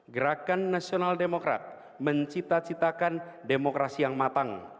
gerakan nasional demokrat mencita citakan demokrasi yang matang